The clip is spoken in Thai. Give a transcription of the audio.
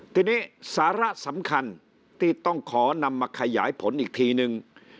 ทีนี้สาระสำคัญที่ต้องขอนำมาขยายผลอีกทีนึง